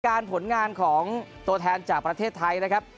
ผลงานของตัวแทนจากประเทศไทยนะครับ